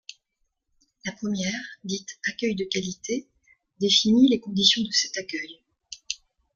La première - dite accueil de qualité - définit les conditions de cet accueil.